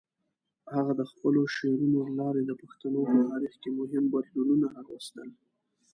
هغه د خپلو شعرونو له لارې د پښتنو په تاریخ کې مهم بدلونونه راوستل.